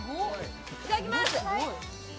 いただきます。